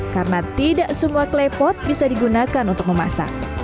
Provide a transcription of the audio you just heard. karena tidak semua klepot bisa digunakan untuk memasak